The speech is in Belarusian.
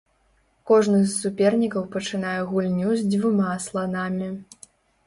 Кожны з супернікаў пачынае гульню з дзвюма сланамі.